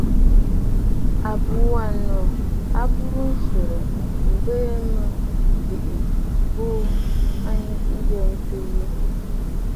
À bùʼû ànnnù a burə nswerə mbə mə bɨ̀ buʼu ayɔ̀rə̂ yi.